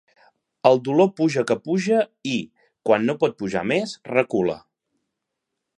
El dolor puja que puja i, quan no pot pujar més, recula.